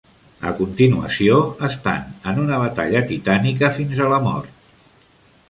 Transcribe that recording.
A continuació, estan en una batalla titànica fins a la mort.